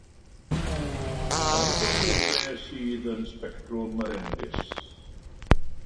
Faint o liwiau sydd yn sbectrwm yr enfys?